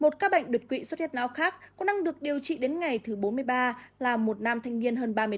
một các bệnh đột quỵ suốt hết não khác cũng đang được điều trị đến ngày thứ bốn mươi ba là một nam thanh niên hơn ba mươi tuổi